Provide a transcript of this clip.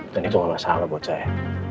dan itu gak masalah buat saya